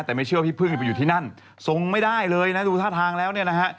แต่ไม่เชื่อว่าพี่พึ่งไปอยู่ที่นั่นทรงไม่ได้เลยนะดูท่าทางแล้วเนี่ยนะฮะ